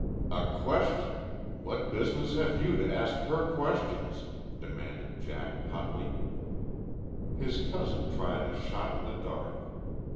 "A question. What business have you to ask her questions?" demanded Jack hotly. His cousin tried a shot in the dark.